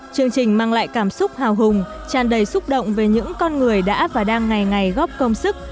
chương trình mang lại cảm xúc hào hùng tràn đầy xúc động về những con người đã và đang ngày ngày góp công sức